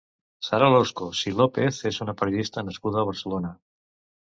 Sara Loscos i López és una periodista nascuda a Barcelona.